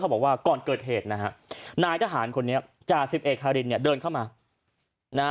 เขาบอกว่าก่อนเกิดเหตุนายทหารคนนี้จ่า๑๑ฮารินเดินเข้ามา